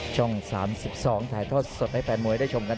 ช่อง๓๒ถ่ายทอดสดให้แฟนมวยได้ชมกัน